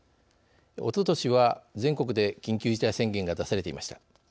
おととしは全国で緊急事態宣言が出されていました。